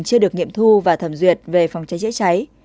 chưa được nghiệm thu và thẩm duyệt về phòng cháy chữa cháy